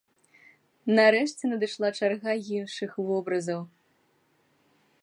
Нарэшце надышла чарга іншых вобразаў.